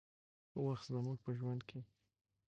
وخت زموږ په ژوند کې